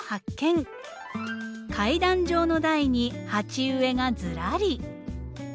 階段状の台に鉢植えがずらり。